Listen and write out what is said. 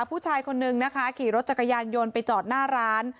ผู้ชายคนนึงนะคะขี่รถจักรยานยนต์ไปจอดหน้าร้าน